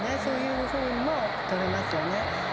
そういうふうにもとれますよね。